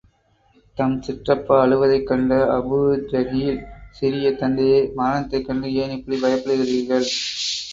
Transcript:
தம் சிற்றப்பா அழுவதைக கண்ட அபூஜஹில், சிறிய தந்தையே, மரணத்தைக் கண்டு ஏன் இப்படிப் பயப்படுகிறீர்கள்?